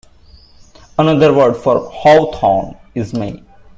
Another word for for hawthorn is may.